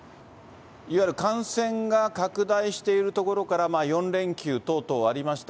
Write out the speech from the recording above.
いわゆる感染が拡大しているところから４連休等々ありました。